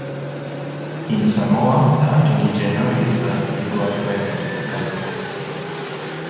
In Samoa, the Attorney General is the legal adviser to the government.